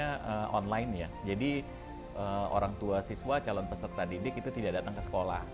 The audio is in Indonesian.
karena online ya jadi orang tua siswa calon peserta didik itu tidak datang ke sekolah